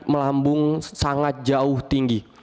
melambung sangat jauh tinggi